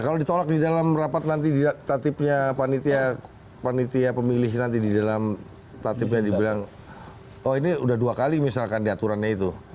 kalau ditolak di dalam rapat nanti di tatipnya panitia pemilih nanti di dalam tatipnya dibilang oh ini udah dua kali misalkan di aturannya itu